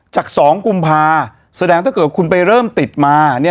จาก๒กุมภาษณ์แสดงว่าถ้าเกิดว่าคุณไปเริ่มติดมา